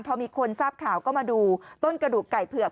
พอมีคนทราบข่าวก็มาดูต้นกระดูกไก่เผือก